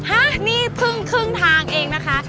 ฮะนี่เพิ่งครึ่งทางเองนะคะ